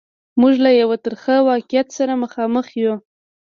موږ له یوه ترخه واقعیت سره مخامخ یو.